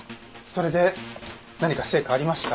それで何か成果ありましたか？